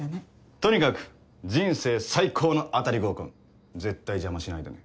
とにかく人生最高の当たり合コン絶対邪魔しないでね。